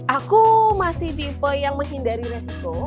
aku masih bivo yang menghindari resiko